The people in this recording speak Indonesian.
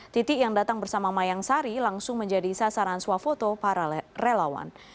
titik yang datang bersama mayang sari langsung menjadi sasaran swafoto para relawan